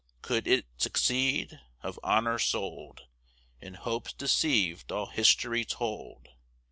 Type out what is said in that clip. Could it succeed? Of honor sold And hopes deceived all history told.